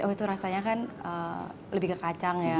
oh itu rasanya kan lebih ke kacang ya